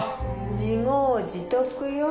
自業自得よ。